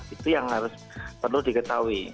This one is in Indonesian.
itu yang harus perlu diketahui